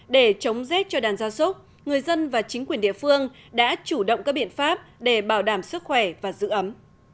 để chống rét cho đàn gia súc người dân và chính quyền địa phương đã chủ động các biện pháp để bảo đảm sức khỏe và giữ ấm